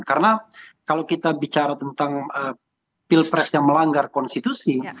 karena kalau kita bicara tentang pilpres yang melanggar konstitusi